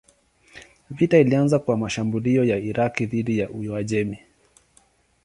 Vita ilianza kwa mashambulio ya Irak dhidi ya Uajemi.